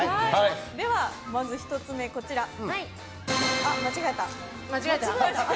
ではまず１つ目間違えた。